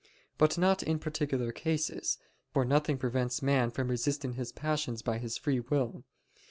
But not in particular cases; for nothing prevents man resisting his passions by his free will.